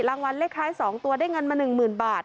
รางวัลเลขท้าย๒ตัวได้เงินมา๑๐๐๐บาท